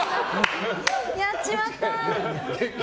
やっちまったー！